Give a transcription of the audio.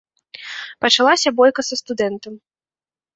Пачалася бойка са студэнтам.